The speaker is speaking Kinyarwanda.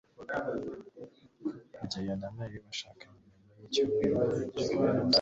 rugeyo na mary bashakanye nyuma yicyumweru barangije kaminuza